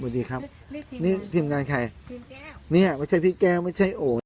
สวัสดีครับนี่ทีมงานใครเนี่ยไม่ใช่พี่แก้วไม่ใช่โอ๋